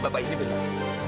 bapak ini benar